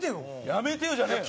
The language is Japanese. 「やめてよ」じゃねえよ。